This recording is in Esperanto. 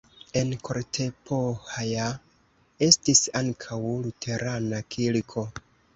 En Kortepohja estis ankaŭ luterana kirko.